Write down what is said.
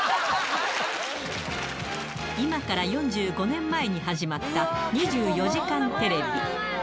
今から４５年前に始まった２４時間テレビ。